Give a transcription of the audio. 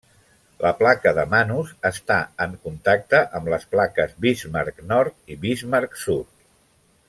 La placa de Manus està en contacte amb les plaques Bismarck Nord i Bismarck Sud.